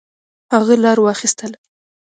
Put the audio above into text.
هغه لار واخیستله.